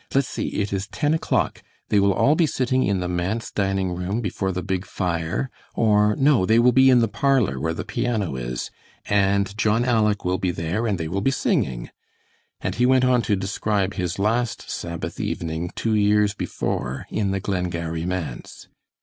"Let's see, it is ten o'clock; they will all be sitting in the manse dining room before the big fire; or, no, they will be in the parlor where the piano is, and John 'Aleck' will be there, and they will be singing"; and he went on to describe his last Sabbath evening, two years before, in the Glengarry manse.